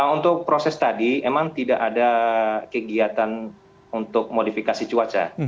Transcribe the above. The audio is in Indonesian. untuk proses tadi memang tidak ada kegiatan untuk modifikasi cuaca